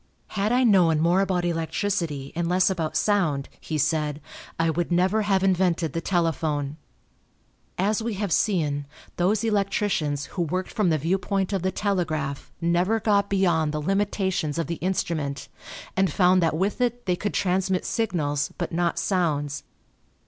"Had I known more about electricity and less about sound," he said, "I would never have invented the telephone." As we have seen, those electricians who worked from the viewpoint of the telegraph never got beyond the limitations of the instrument and found that with it they could transmit signals but not sounds.